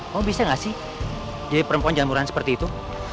kamu bisa gak sih jadi perempuan jalan murahan seperti itu